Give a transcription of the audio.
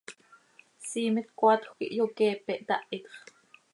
Siimet coaatjö quih hyoqueepe, htahit x.